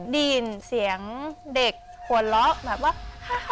ได้ยินเสียงเด็กหัวเราะแบบว่า